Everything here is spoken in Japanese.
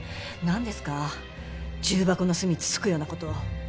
何ですか重箱の隅つつくようなこと。